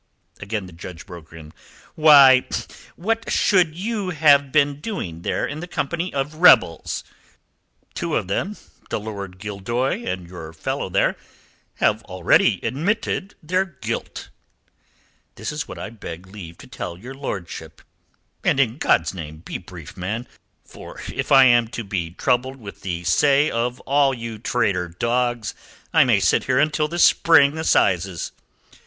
Again the Judge broke in. "Why, what should you have been doing there in the company of rebels, two of whom Lord Gildoy and your fellow there have already admitted their guilt?" "That is what I beg leave to tell your lordship." "I pray you do, and in God's name be brief, man. For if I am to be troubled with the say of all you traitor dogs, I may sit here until the Spring Assizes."